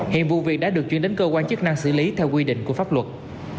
hiện vụ việc đã được chuyển đến cơ quan chức năng xử lý theo quy định của pháp luật